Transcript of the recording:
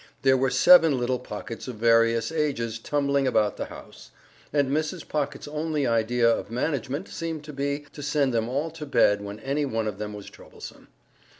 There were seven little Pockets of various ages tumbling about the house, and Mrs. Pocket's only idea of management seemed to be to send them all to bed when any one of them was troublesome.